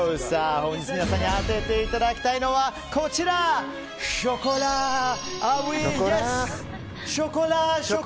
本日皆さんに当てていただきたいのはショコラショコラ！